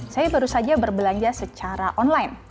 saya baru saja berbelanja secara online